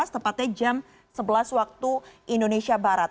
tepatnya jam sebelas waktu indonesia barat